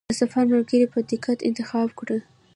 د سفر ملګری په دقت انتخاب کړه.